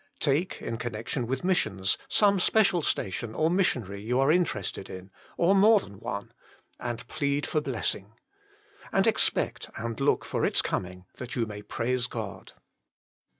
Take, in connection with missions, some special station or missionary you are interested in, or more than one, and plead for blessing. And expect and look for its coming, that you may praise God.